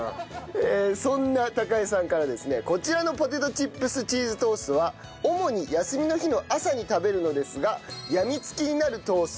そんなたかえさんからですねこちらのポテトチップスチーズトーストは主に休みの日の朝に食べるのですが病み付きになるトーストです。